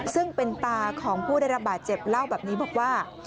ซึ่งเป็นตาของผู้ได้รับบาดเจ็บเล่าแบบนี้บอกว่า